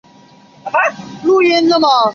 加盖福毛加位于萨瓦伊岛北部。